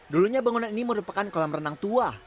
dulunya bangunan ini merupakan kolam renang tua